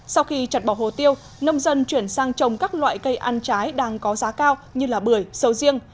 sau khi chặt bỏ hồ tiêu nông dân chuyển sang trồng các loại cây ăn trái đang có giá cao như bưởi sầu riêng